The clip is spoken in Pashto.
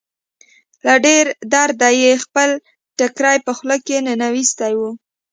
له ډېره درده يې خپل ټيکری په خوله ننوېستی و.